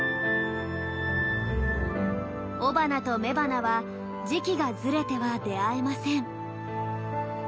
雄花と雌花は時期がずれては出会えません。